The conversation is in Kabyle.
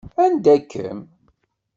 Anda-kem?